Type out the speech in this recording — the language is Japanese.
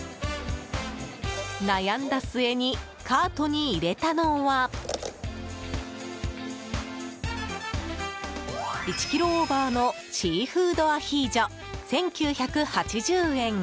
悩んだ末にカートに入れたのは１ｋｇオーバーのシーフードアヒージョ１９８０円。